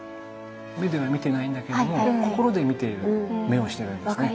目では見てないんだけれども心で見ている目をしてるんですね。